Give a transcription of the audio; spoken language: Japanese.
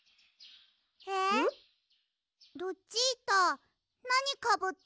えっ？